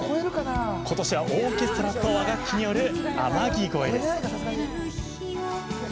今年はオーケストラと和楽器による「天城越え」です。